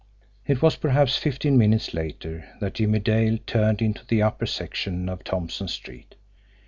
It was perhaps fifteen minutes later that Jimmie Dale turned into the upper section of Thompson Street.